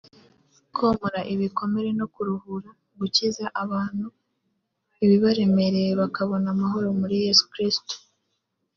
komora ibikomere no kuruhura (gukiza) abantu ibibaremereye bakabona amahoro muri Yesu Kristo